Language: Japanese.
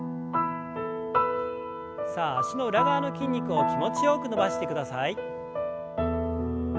さあ脚の裏側の筋肉を気持ちよく伸ばしてください。